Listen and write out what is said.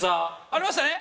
ありましたね？